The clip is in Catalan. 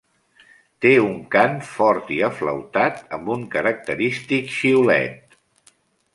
Té un cant fort i aflautat, amb un característic xiulet.